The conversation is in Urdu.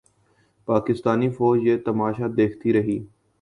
پاکستانی فوج یہ تماشا دیکھتی رہی۔